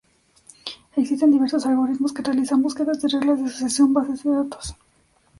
Existen diversos algoritmos que realizan búsquedas de reglas de asociación bases de datos.